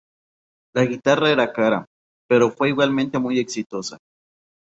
La guitarra era cara, pero fue igualmente muy exitosa.